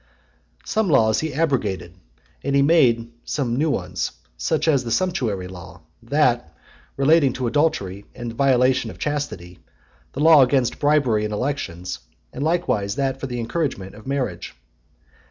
XXXIV. Some laws he abrogated, and he made some new ones; such as the sumptuary law, that relating to adultery and the violation of chastity, the law against bribery in elections, and likewise that for the encouragement of marriage.